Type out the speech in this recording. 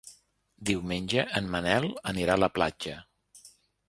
Diumenge en Manel anirà a la platja.